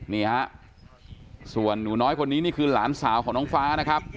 นี่ฮะส่วนหนูน้อยคนนี้นี่คือหลานสาวของน้องฟ้านะครับ